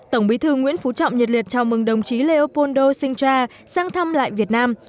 tổng bí thư nguyễn phú trọng nhiệt liệt chào mừng đồng chí leopoldo singcha sang thăm lại việt nam